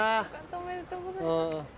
おめでとうございます。